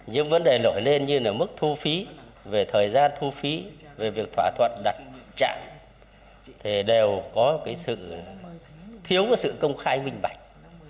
nhưng vấn đề nổi lên như là mức thu phí về thời gian thu phí về việc thỏa thuận đặt chạm thì đều có cái sự thiếu của sự công khai bình bạch